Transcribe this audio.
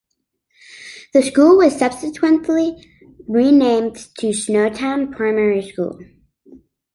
The school was subsequently renamed to Snowtown Primary School.